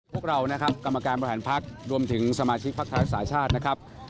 พวกเรานะครับกรรมการบริหารพักรวมถึงสมาชิกพักไทยรักษาชาตินะครับ